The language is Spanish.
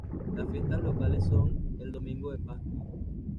Las fiesta locales son el domingo de Pascua.